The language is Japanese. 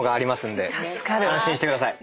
安心してください。